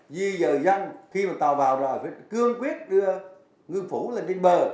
di dời dân khi mà tàu vào rồi phải cương quyết đưa ngư phủ lên bờ